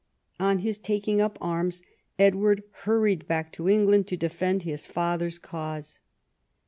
On his taking up arms, Edward hurried back to England to defend his father's cause.